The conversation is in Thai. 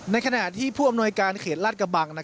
ในขณะที่ผู้อำนวยการเขตลาดกระบัง